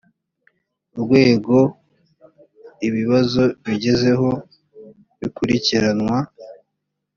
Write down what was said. urwego ibibazo bigezeho bikurikiranwa